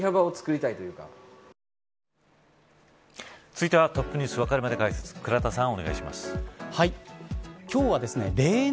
続いてはＴｏｐｎｅｗｓわかるまで解説倉田さん